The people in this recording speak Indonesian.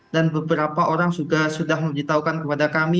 dan beberapa orang sudah mengetahukan kepada kami